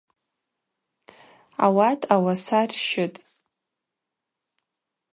Ауат ауаса рщытӏ.